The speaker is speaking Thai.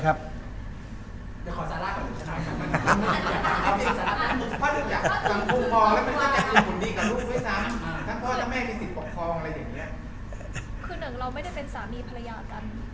คือหนึ่งเราไม่ได้เป็นสามีภรรยากัน